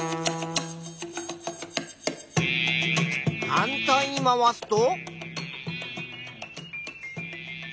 反対に回すと。